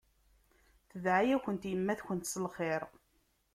Tedɛa-yakent yemma-tkent s lxir.